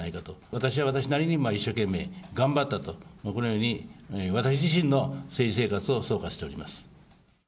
私は私なりに一生懸命頑張ったと、このように、私自身の政治生活を総括しております。